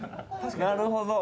なるほど。